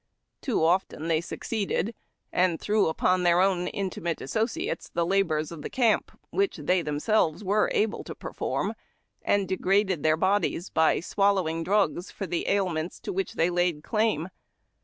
Too often they succeeded, 174 II All D TACK AND COFFEE. and threw upon their own intimate associates the labors of camp, which the}^ themselves were able to perform, and degraded their bodies by swallowing drugs, for the ailments to which they laid claim.